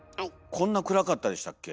こんな暗かったでしたっけ？